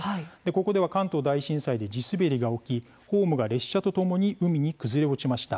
ここでは関東大震災で地滑りが起きホームが列車とともに海に崩れ落ちました。